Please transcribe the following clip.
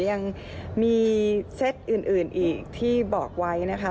ยังมีเซตอื่นอีกที่บอกไว้นะคะ